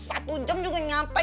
satu jam juga nyampe